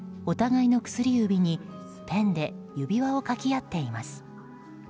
お互いの薬指にペンで指輪を描き合っています。